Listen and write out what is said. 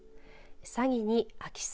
詐欺に空き巣。